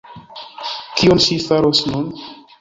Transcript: Kion ŝi faros nun?